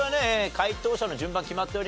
解答者の順番決まっております。